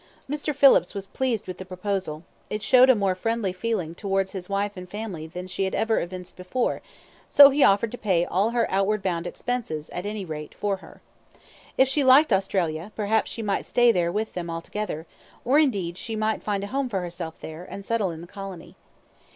Mr. Phillips was pleased with the proposal; it showed a more friendly feeling towards his wife and family than she had ever evinced before, so he offered to pay all her outward bound expenses, at any rate, for her. If she liked Australia, perhaps she might stay there with them altogether; or, indeed, she might find a home for herself there, and settle in the colony.